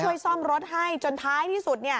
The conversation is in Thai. ช่วยซ่อมรถให้จนท้ายที่สุดเนี่ย